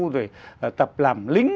rồi tập làm lính